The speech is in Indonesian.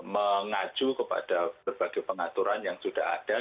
mengacu kepada berbagai pengaturan yang sudah ada